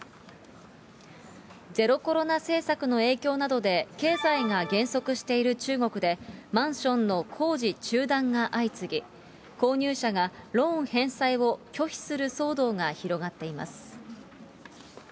ゼロコロナ政策の影響などで、経済が減速している中国で、マンションの工事中断が相次ぎ、購入者がローン返済を拒否する騒動が広がっています。